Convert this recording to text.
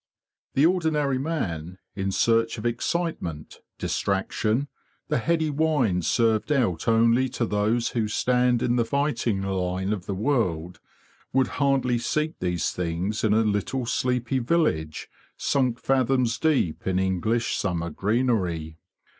The ordinary man, in search of excitement, distraction, the heady wine served out only to those who stand in the fighting line of the world, would hardly seek these things in a little sleepy village sunk fathoms deep in English summer greenery.